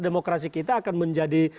demokrasi kita akan menjadi